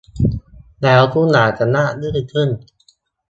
แล้วทุกอย่างจะราบรื่นขึ้น